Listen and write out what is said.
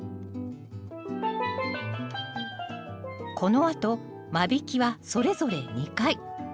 このあと間引きはそれぞれ２回。